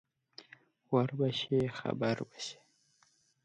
ور به شې خبر به شې